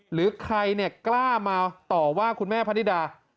หรือใครเนี่ยกล้ามาต่อว่าคุณแม่พะนิดา